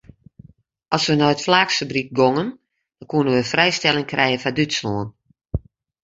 As we nei it flaaksfabryk gongen dan koenen we frijstelling krije foar Dútslân.